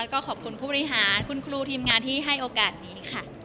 ก็ขอบคุณผู้บริหารคุณครูทีมงานที่ให้โอกาสนี้ค่ะ